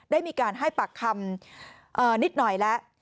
ได้มีการให้ปากคำนิดหน่อยแล้ว